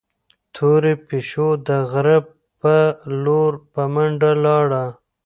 تورې پيشو د غره په لور په منډه لاړه.